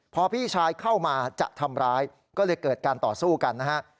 พอพี่ชายเข้ามาจะทำร้ายก็เลยเกิดการต่อสู้กันนะฮะ